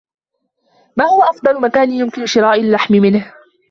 ما هو أفضل مكان يمكن شراء اللّحم منه؟